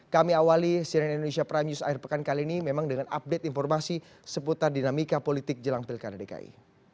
kami awali cnn indonesia prime news akhir pekan kali ini memang dengan update informasi seputar dinamika politik jelang pilkada dki